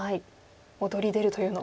躍り出るというのは？